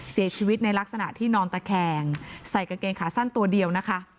เสียชีวิตในลักษณะที่นอนตะแคงใส่กางเกงขาสั้นตัวเดียวนะคะ